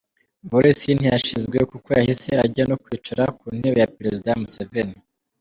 Boris ntiyashizwe kuko yahise ajya no kwicara ku ntebe ya perezida Museveni.